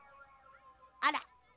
あら。